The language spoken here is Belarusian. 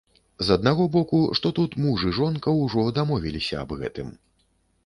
З аднаго боку, што тут, муж і жонка ўжо дамовіліся аб гэтым.